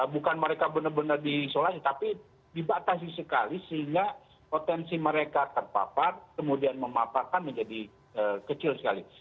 bukan mereka benar benar diisolasi tapi dibatasi sekali sehingga potensi mereka terpapar kemudian memaparkan menjadi kecil sekali